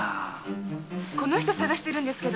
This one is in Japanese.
この人捜してるんですけど。